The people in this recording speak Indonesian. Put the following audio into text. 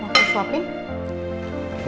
mau aku suapin